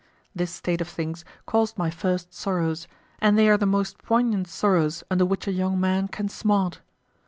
This state of things caused my first sorrows, and they are the most poignant sorrows under which a young man can smart.